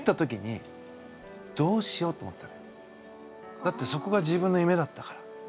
だってそこが自分の夢だったから。